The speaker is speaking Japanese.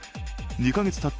２か月たった